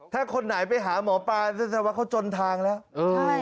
ถ้าคนไหนไปหาหมอปลาซะว่าเขาจนทางแล้ว